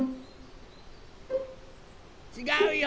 ・ちがうよ。